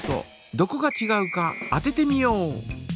どこがちがうか当ててみよう！